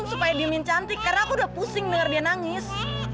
supaya diemin cantik karena aku udah pusing dengar dia nangis